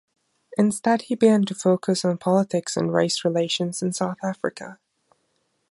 Instead he began to focus on politics and race relations in South Africa.